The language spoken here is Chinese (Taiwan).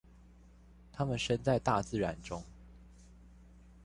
他們身在大自然中